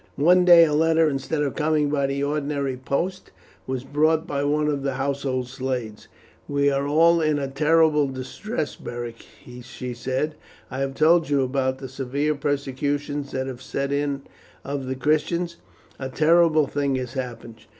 One day a letter, instead of coming by the ordinary post, was brought by one of the household slaves. "We are all in terrible distress, Beric," she said. "I have told you about the severe persecution that has set in of the Christians. A terrible thing has happened.